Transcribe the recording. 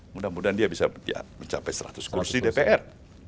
mudah mudahan dia bisa mencapai seratus kursi dpr